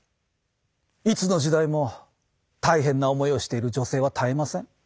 いつの時代も大変な思いをしている女性は絶えません。